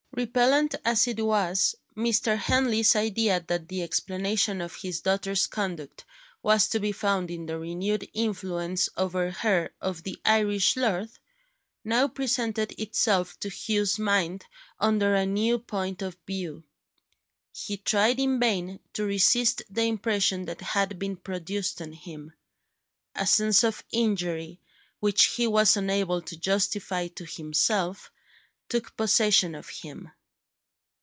Repellent as it was, Mr. Henley's idea that the explanation of his daughter's conduct was to be found in the renewed influence over her of the Irish lord, now presented itself to Hugh's mind under a new point of view. He tried in vain to resist the impression that had been produced on him. A sense of injury, which he was unable to justify to himself, took possession of him.